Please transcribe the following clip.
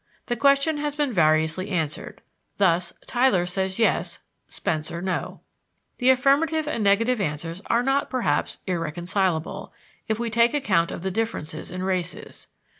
The question has been variously answered; thus, Tylor says yes; Spencer, no. The affirmative and negative answers are not, perhaps, irreconcilable, if we take account of the differences in races.